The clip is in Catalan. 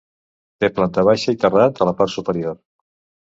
Té planta baixa i terrat a la part superior.